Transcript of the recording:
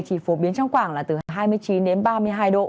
chỉ phổ biến trong quảng là từ hai mươi chín ba mươi hai độ